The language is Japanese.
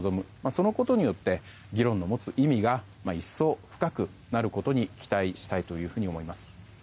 そのことによって議論の持つ意味が一層、深くなることに期待したいと思います。